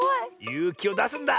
ゆうきをだすんだ！